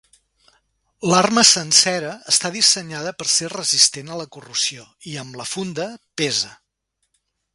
L'arma sencera està dissenyada per ser resistent a la corrosió i, amb la funda, pesa.